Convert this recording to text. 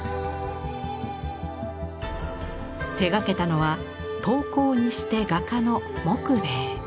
手がけたのは陶工にして画家の木米。